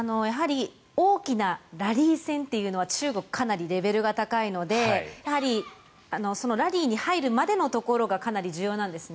大きなラリー戦というのは中国、かなりレベルが高いのでやはりラリーに入るまでのところがかなり重要なんですね。